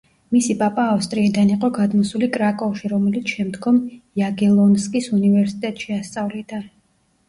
მისი პაპა ავსტრიიდან იყო გადმოსული კრაკოვში, რომელიც შემდგომ იაგელონსკის უნივერსიტეტში ასწავლიდა.